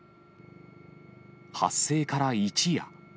発生から一夜。